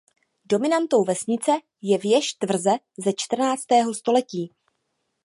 Dominantou vesnice je věž tvrze ze čtrnáctého století.